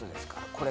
これ。